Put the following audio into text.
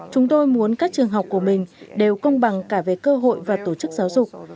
chúng tôi muốn các trường học của mình đều công bằng cả về cơ hội và tổ chức giáo dục